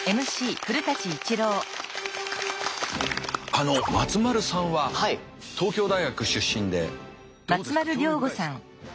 あの松丸さんは東京大学出身でどうですか？